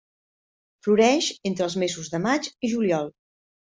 Floreix entre els mesos de maig i juliol.